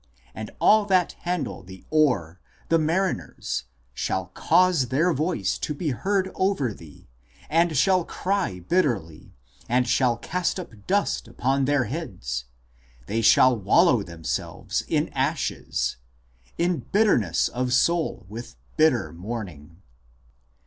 ... And all that handle the oar, the mariners ... shall cause their voice to be heard over thee, and shall cry bitterly, and shall cast up dust upon their heads, they shall wallow themselves in ashes ... in bitterness of soul with bitter mourning."